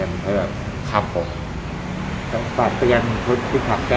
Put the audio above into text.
ตอนเช้าที่ขับแก๊ป